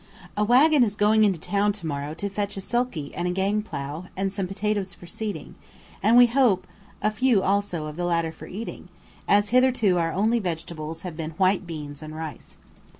A waggon is going into town to morrow to fetch a sulky and a gang plough, and some potatoes for seeding; and we hope a few also of the latter for eating, as hitherto our only vegetables have been white beans and rice.